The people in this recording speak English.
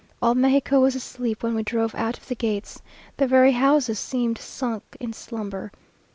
All Mexico was asleep when we drove out of the gates. The very houses seemed sunk in slumber.